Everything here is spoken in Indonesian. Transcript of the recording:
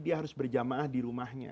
dia harus berjamaah di rumahnya